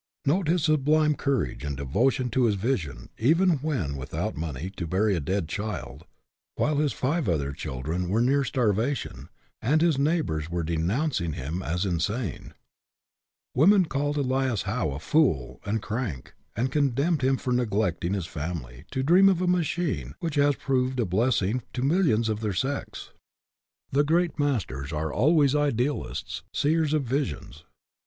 Note his sublime courage and devotion to his vision even when without money to bury a dead child ; while his five other children were near starvation, and his neighbors were de nouncing him as insane ! Women called Ellas Howe a fool and " crank " and condemned him for neglecting WORLD OWES TO DREAMERS 69 his family to dream of a machine which has proved a blessing to millions of their sex. The great masters are always idealists, seers of visions.